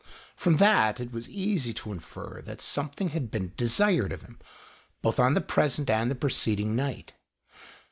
Prom that it was easy to infer that something had been desired of him, both on the present and the preceding night.